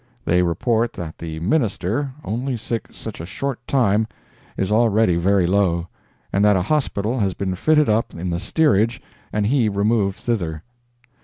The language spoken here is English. They report that the Minister—only sick such a short time—is already very low; and that a hospital has been fitted up in the steerage and he removed thither.